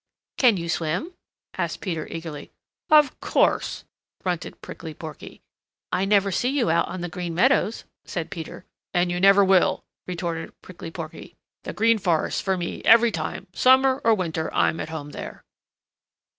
"Can you swim?" asked Peter eagerly. "Of course," grunted Prickly Porky. "I never see you out on the Green Meadows," said Peter. "And you never will," retorted Prickly Porky. "The Green Forest for me every time. Summer or winter, I'm at home there."